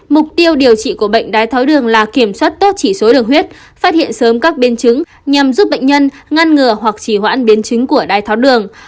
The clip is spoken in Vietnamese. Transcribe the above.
mục tiêu điều trị của bệnh đái tháo đường là kiểm soát tốt chỉ số đường huyết phát hiện sớm các biến chứng nhằm giúp bệnh nhân ngăn ngừa hoặc chỉ hoãn biến chứng của đai tháo đường